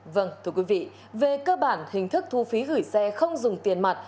vâng thưa quý vị về cơ bản hình thức thu phí gửi xe không dùng tiền mặt